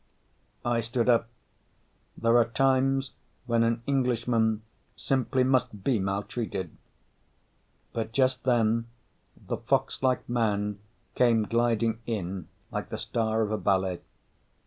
I stood up. There are times when an Englishman simply must be mal treated. But just then the foxlike man came gliding in like the star of a ballet.